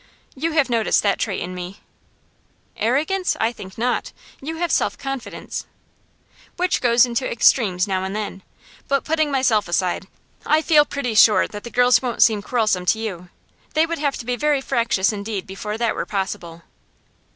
You have noticed that trait in me?' 'Arrogance I think not. You have self confidence.' 'Which goes into extremes now and then. But, putting myself aside, I feel pretty sure that the girls won't seem quarrelsome to you; they would have to be very fractious indeed before that were possible.